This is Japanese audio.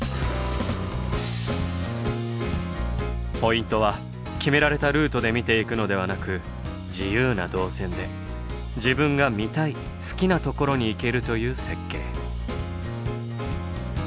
ポイントは決められたルートで見ていくのではなく自由な導線で自分が見たい好きなところに行けるという設計。